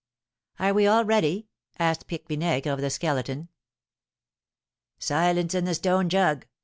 "Are we all ready?" asked Pique Vinaigre of the Skeleton. "Silence in the stone jug!"